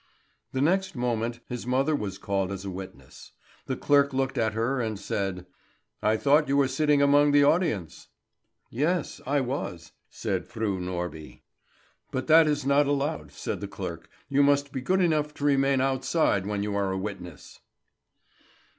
The next moment his mother was called as a witness. The clerk looked at her and said: "I thought you were sitting among the audience?" "Yes, I was," said Fru Norby. "But that is not allowed," said the clerk. "You must be good enough to remain outside when you are a witness."